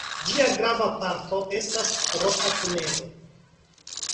Ĝia grava parto estas Roka tunelo.